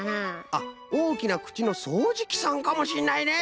あっおおきなくちのそうじきさんかもしんないね。